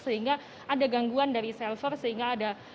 sehingga ada gangguan dari selver sehingga ada